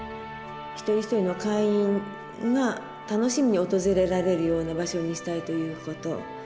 一人一人の会員が楽しみに訪れられるような場所にしたいということ。